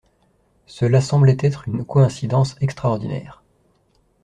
Cela semblait être une coïncidence extraordinaire.